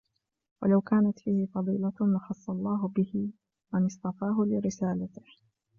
وَلَوْ كَانَتْ فِيهِ فَضِيلَةٌ لَخَصَّ اللَّهُ بِهِ مَنْ اصْطَفَاهُ لِرِسَالَتِهِ